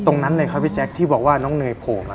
ตรงนั้นเลยครับพี่แจ๊คที่บอกว่าน้องเนยโผล่มา